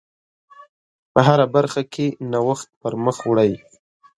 په هره برخه کې نوښت پر مخ وړئ.